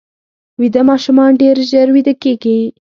ویده ماشومان ډېر ژر ویده کېږي